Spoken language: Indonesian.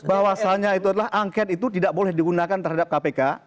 bahwasannya itu adalah angket itu tidak boleh digunakan terhadap kpk